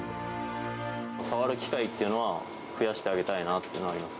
触る機会というのは増やしてあげたいなというのはあります。